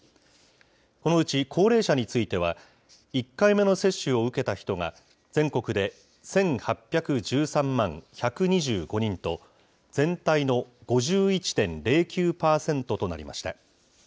このうち、高齢者については、１回目の接種を受けた人が、全国で１８１３万１２５人と、全体の５１．０９％となりました。